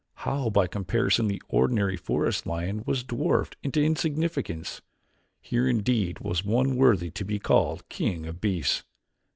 How by comparison the ordinary forest lion was dwarfed into insignificance! Here indeed was one worthy to be called king of beasts.